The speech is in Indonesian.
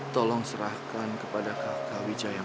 tolong serahkan kepada kakak wijaya